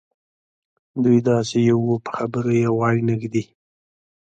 دوی داسې یوو په خبرو یې غوږ نه ږدي.